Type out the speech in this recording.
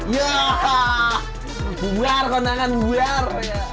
ya bubar kondangan bubar